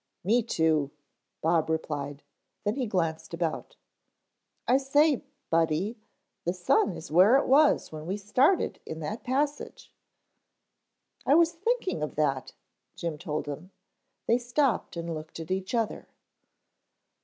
"Me too," Bob replied, then he glanced about. "I say, Buddy, the sun is where it was when we started in that passage." "I was thinking of that," Jim told him. They stopped and looked at each other.